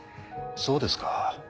そうですか。